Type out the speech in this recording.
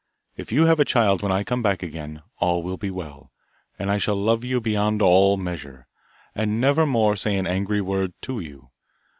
If you have a child when I come back again, all will be well, and I shall love you beyond all measure, and never more say an angry word to you.